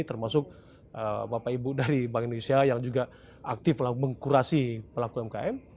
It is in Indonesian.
termasuk bapak ibu dari bank indonesia yang juga aktif mengkurasi pelaku umkm